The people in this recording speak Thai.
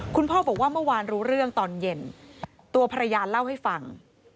คุณพ่อบอกว่าเมื่อวานรู้เรื่องตอนเย็นตัวภรรยาเล่าให้ฟัง